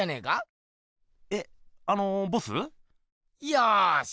よし！